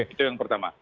itu yang pertama